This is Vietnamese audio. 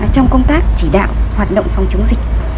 trong công tác chỉ đạo hoạt động phòng chống dịch